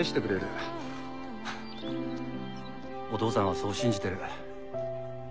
お父さんはそう信じてる。